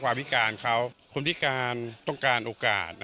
ความพิการเขาความพิการต้องการโอกาส